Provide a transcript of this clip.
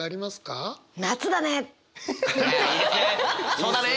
そうだね！